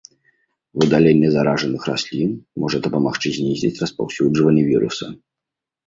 Выдаленне заражаных раслін можа дапамагчы знізіць распаўсюджванне віруса.